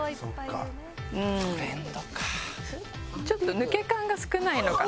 うーんちょっと抜け感が少ないのかな。